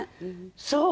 そう！